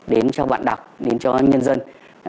đến cho bạn đọc đến cho nhân dân